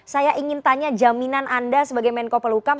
saya ingin tanya jaminan anda sebagai menko pelukam